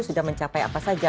sudah mencapai apa saja